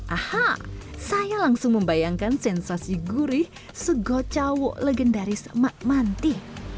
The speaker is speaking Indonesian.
aha saya langsung membayangkan sensasi gurih segocawo legendaris makmanti